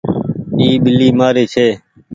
اي ٻلي مآري ڇي۔